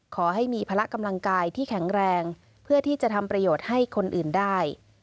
ขอให้มีพละกำลังกายที่แข็งแรงเพื่อที่จะทำประโยชน์ให้คนอื่นได้